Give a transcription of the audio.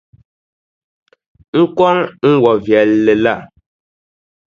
N kɔŋ n wɔʼ viɛlli la.